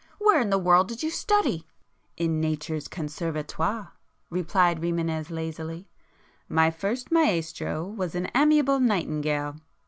Where in the world did you study?" "In Nature's conservatoire;"—replied Rimânez lazily. "My first 'maestro' was an amiable nightingale.